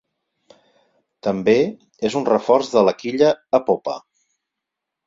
També, és un reforç de la quilla a popa.